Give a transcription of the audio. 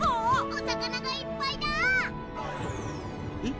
お魚がいっぱいだ！えっ？